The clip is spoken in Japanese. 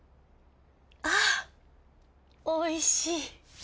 あおいしい。